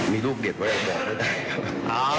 มีลูกเด็ดไว้บอกก็ได้ครับ